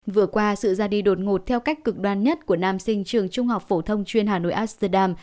vừa qua sự ra đi đột ngột theo cách cực đoan nhất của nam sinh trường trung học phổ thông chuyên hà nội asterdam